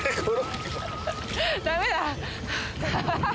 ダメだ！